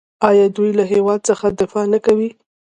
آیا دوی له هیواد څخه دفاع نه کوي؟